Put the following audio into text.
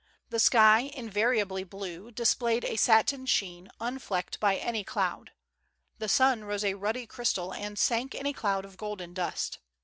The sky, invariably blue, disjdayed a satin sheen, unflecked by any cloud. The sun rose a ruddy crystal and sank in a cloud of golden dust.